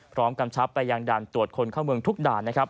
พร้อมกำชับไปยังด่านตรวจคนเข้าเมืองทุกด่าน